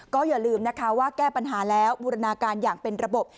ก็อย่าลืมนะคะว่าแก้ปัญหาแล้วบูรณาการอย่างเป็นระบบ